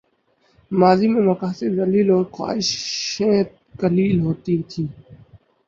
ماضی میں مقاصد جلیل اور خواہشیں قلیل ہوتی تھیں۔